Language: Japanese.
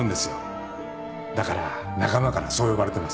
だから仲間からそう呼ばれてます。